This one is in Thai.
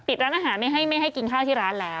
ร้านอาหารไม่ให้กินข้าวที่ร้านแล้ว